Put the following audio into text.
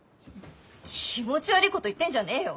気持ち悪いこと言ってんじゃねえよ。